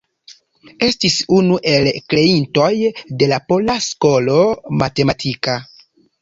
Estis unu el kreintoj de la pola skolo matematika.